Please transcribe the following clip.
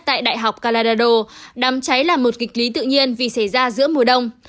tại đại học calado đám cháy là một kịch lý tự nhiên vì xảy ra giữa mùa đông